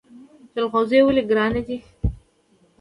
جلغوزي ولې ګران دي؟